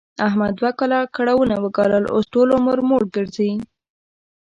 احمد دوه کاله کړاوونه و ګالل، اوس ټول عمر موړ ګرځي.